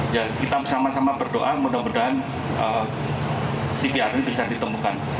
ya kita sama sama berdoa mudah mudahan cvr ini bisa ditemukan